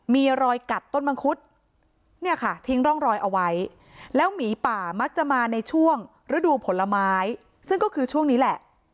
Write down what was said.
มีรอยกัดต้นมังคุดเนี่ยค่ะทิ้งร่องรอยเอาไว้แล้วหมีป่ามักจะมาในช่วงฤดูผลไม้ซึ่งก็คือช่วงนี้แหละ